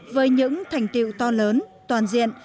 với những thành tiệu to lớn toàn diện